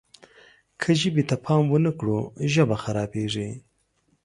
که ژبې ته پام ونه کړو ژبه خرابېږي.